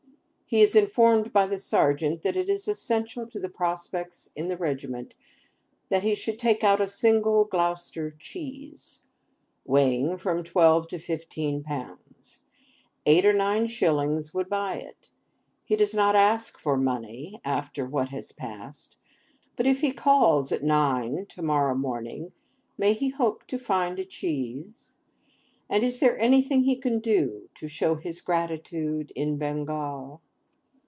He is informed by the serjeant that it is essential to his prospects in the regiment that he should take out a single Gloucester cheese, weighing from twelve to fifteen pounds. Eight or nine shillings would buy it. He does not ask for money, after what has passed; but if he calls at nine, to morrow morning may he hope to find a cheese? And is there anything he can do to show his gratitude in Bengal?